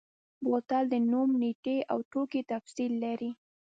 بوتل د نوم، نیټې او توکي تفصیل لري.